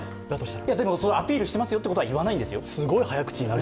でも、アピールしていますよということは言わないんですよ。